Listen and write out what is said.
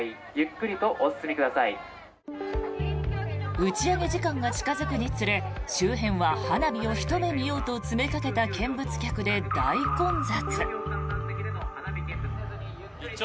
打ち上げ時間が近付くにつれ周辺は花火をひと目見ようと詰めかけた見物客で大混雑。